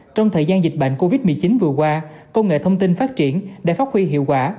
trong thời gian dịch bệnh covid một mươi chín vừa qua công nghệ thông tin phát triển đã phát huy hiệu quả